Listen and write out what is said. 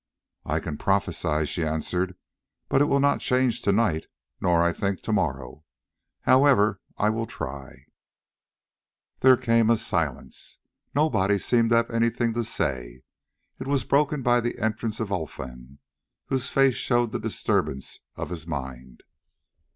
"I can prophesy," she answered; "but it will not change to night, nor, I think, to morrow. However, I will try." Then came a silence: nobody seemed to have anything to say. It was broken by the entrance of Olfan, whose face showed the disturbance of his mind.